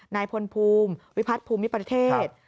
นายพลภูมิวิพัฒน์ภูมิประเทศ